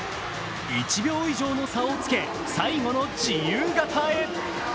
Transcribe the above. １秒以上の差をつけ最後の自由形へ。